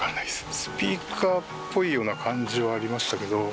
スピーカーっぽいような感じはありましたけど。